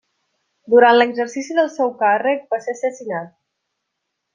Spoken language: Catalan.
Durant l'exercici del seu càrrec va ser assassinat.